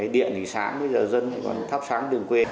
điện thì sáng bây giờ dân còn thắp sáng đường quê